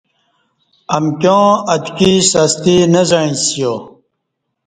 امکیاں اتکی سستی نہ زعیݩسیا